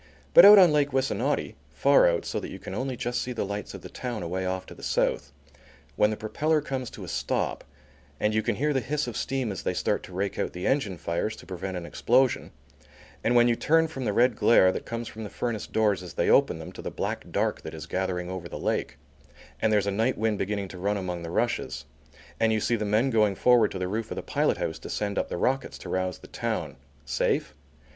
But out on Lake Wissanotti, far out, so that you can only just see the lights of the town away off to the south, when the propeller comes to a stop, and you can hear the hiss of steam as they start to rake out the engine fires to prevent an explosion, and when you turn from the red glare that comes from the furnace doors as they open them, to the black dark that is gathering over the lake, and there's a night wind beginning to run among the rushes, and you see the men going forward to the roof of the pilot house to send up the rockets to rouse the town, safe?